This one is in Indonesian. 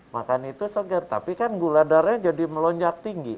makan itu segar tapi kan gula darahnya jadi melonjak tinggi